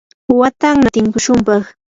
watanna tinkushunpaq.